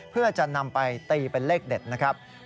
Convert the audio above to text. เพื่อจะนำไปตีเป็นเลขเด็ดนะครับ